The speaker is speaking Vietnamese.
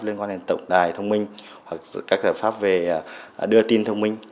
liên quan đến tổng đài thông minh hoặc các giải pháp về đưa tin thông minh